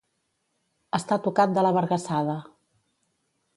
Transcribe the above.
Estar tocat de la vergassada.